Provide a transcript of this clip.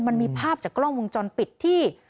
มันมีภาพจากกล้องวงจรปิดที่